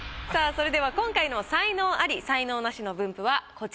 それでは今回の才能アリ才能ナシの分布はこちらです。